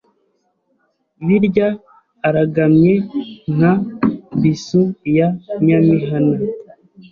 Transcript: birya aragamye nka bisu ya Nyamihana